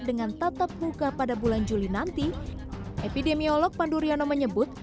dengan tetap muka pada bulan juli nanti epidemiolog panduryano menyebut